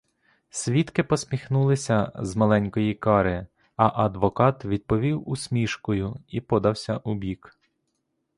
Свідки посміхнулися з маленької кари, а адвокат відповів усмішкою і подався убік.